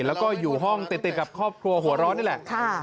แล้วก็อยู่ห้องติดกับครอบครัวหัวร้อนนี่แหละ